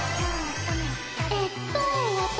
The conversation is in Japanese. えっと私。